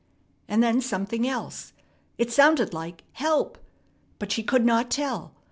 and then something else. It sounded like "Help!" but she could not tell.